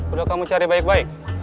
udah kamu cari baik baik